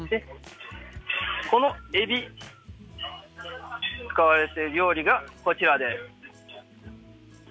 このエビ、使われている料理がこちらです。